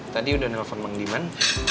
tadi udah nelfon bang diman